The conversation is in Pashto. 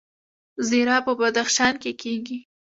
زیره په بدخشان کې کیږي